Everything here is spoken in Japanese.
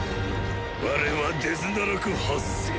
我はデズナラク８世。